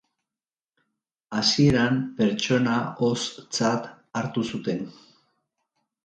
Hasieran pertsona hoztzat hartu zuten.